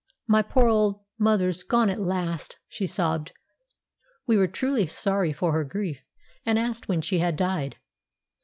"My poor old mother's gone at last," she sobbed. We were truly sorry for her grief, and asked when she had died.